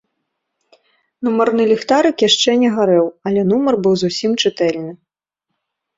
Нумарны ліхтарык яшчэ не гарэў, але нумар быў зусім чытэльны.